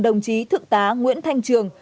đồng chí thượng tá nguyễn thanh trường